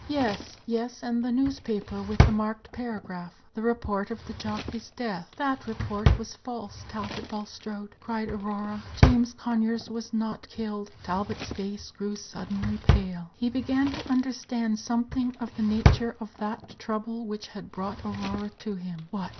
"Yes, yes; and the newspaper with the marked paragraph the report of the jockey's death." "That report was false, Talbot Bulstrode," cried Aurora. "James Conyers was not killed." Talbot's face grew suddenly pale. He began to understand something of the nature of that trouble which had brought Aurora to him. "What!